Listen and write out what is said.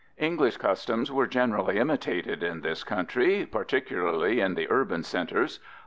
_)] English customs were generally imitated in this country, particularly in the urban centers.